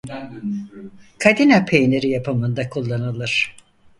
Kadina peyniri yapımında kullanılır.